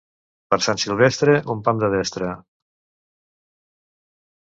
Per Sant Silvestre, un pam de destra.